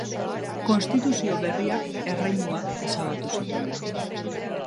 Konstituzio berriak erreinuak ezabatu zituen.